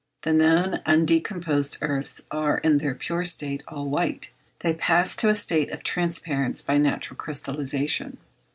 The known undecomposed earths are, in their pure state, all white. They pass to a state of transparence by natural crystallization.